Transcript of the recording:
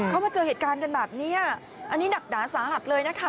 เขามาเจอเหตุการณ์กันแบบนี้อันนี้หนักหนาสาหัสเลยนะคะ